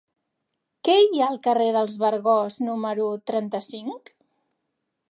Què hi ha al carrer dels Vergós número trenta-cinc?